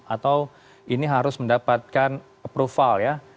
atau ini harus mendapatkan approval ya